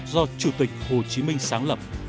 do chủ tịch hồ chí minh sáng lập